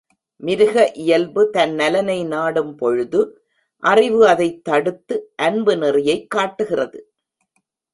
மிருக இயல்பு தன் நலனை நாடும் பொழுது, அறிவு அதைத் தடுத்து, அன்பு நெறியைக் காட்டுகிறது.